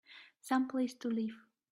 Some place to live!